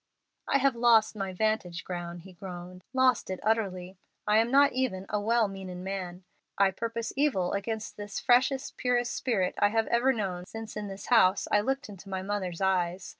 "I have lost my vantage ground," he groaned "lost it utterly. I am not even a 'well meaning man.' I purpose evil against this freshest, purest spirit I have ever known since in this house I looked into my mother's eyes.